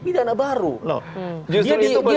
pidana baru justru itu melindungi